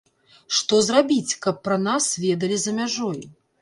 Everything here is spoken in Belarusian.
Што зрабіць, каб пра нас ведалі за мяжой?